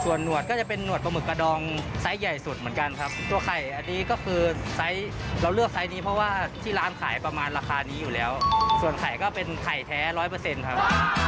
ส่วนหวดก็จะเป็นหวดปลาหมึกกระดองไซส์ใหญ่สุดเหมือนกันครับตัวไข่อันนี้ก็คือไซส์เราเลือกไซส์นี้เพราะว่าที่ร้านขายประมาณราคานี้อยู่แล้วส่วนไข่ก็เป็นไข่แท้ร้อยเปอร์เซ็นต์ครับ